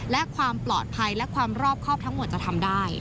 และความปลอดภัยและความรอบครอบทั้งหมดจะทำได้